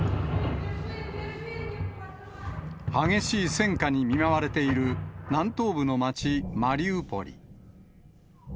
激しい戦火に見舞われている南東部の街、マリウポリ。